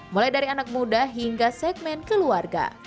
mulai dari anak muda hingga segmen keluarga